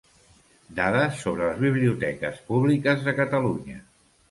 Dades sobre les biblioteques públiques de Catalunya.